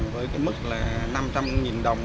với mức năm trăm linh đồng